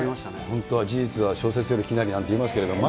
本当は事実は小説より奇なりなんていいますけれども。